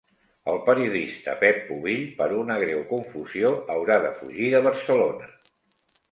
El periodista Pep Pubill, per una greu confusió, haurà de fugir de Barcelona.